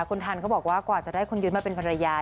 คุณทันเขาบอกว่ากว่าจะได้คุณยุ้ยมาเป็นภรรยา